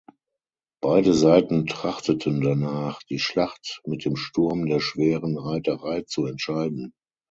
Beide Seiten trachteten danach, die Schlacht mit dem Sturm der schweren Reiterei zu entscheiden.